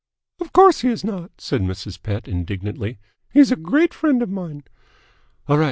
"Of course he is not!" said Mrs. Pett indignantly. "He's a great friend of mine." "All right.